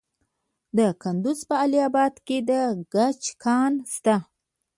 د کندز په علي اباد کې د ګچ کان شته.